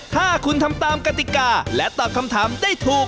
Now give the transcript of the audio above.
ถ้าคุณทำตามกติกาและตอบคำถามได้ถูก